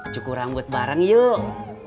cuku rambut bareng yuk